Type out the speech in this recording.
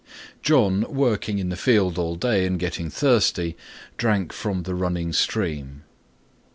"John, working in the field all day and getting thirsty, drank from the running stream."